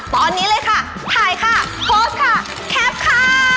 ตอนนี้เลยค่ะถ่ายค่ะโพสต์ค่ะแคปค่ะ